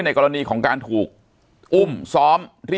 ปากกับภาคภูมิ